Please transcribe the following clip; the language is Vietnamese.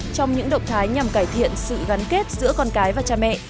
trong những động thái nhằm cải thiện sự gắn kết giữa con cái và cha mẹ